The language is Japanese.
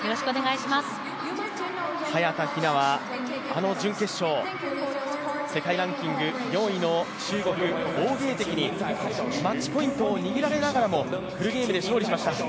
早田ひなは、あの準決勝、世界ランキング４位の中国・王ゲイ迪にマッチポイントを握られながらも、フルゲームで勝利しました。